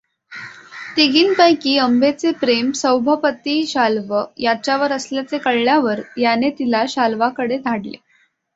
तिघींपैकी अंबेचे प्रेम सौभपती शाल्व याच्यावर असल्याचे कळल्यावर याने तिला शाल्वाकडे धाडले.